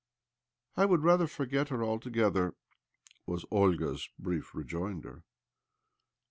" I would rather forget her altogether," was Olga's brief rejoinder.